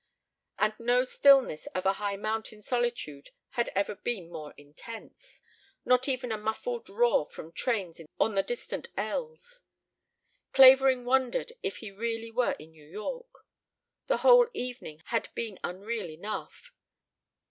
And no stillness of a high mountain solitude had ever been more intense. Not even a muffled roar from trains on the distant "L's." Clavering wondered if he really were in New York. The whole evening had been unreal enough.